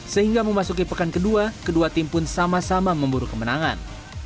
sehingga memasuki pekan kedua kedua tim pun sama sama memburu kemenangan